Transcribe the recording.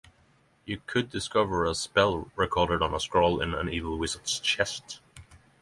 You could discover a spell recorded on a scroll in an evil wizard’s chest.